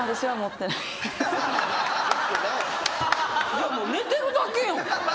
じゃあもう寝てるだけやんか。